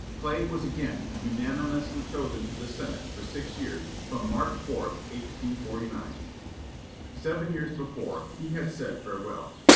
Clay was again unanimously chosen to the Senate for six years from March 4, 1849. Seven years before, he had said farewell.